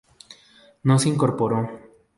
No se incorporó.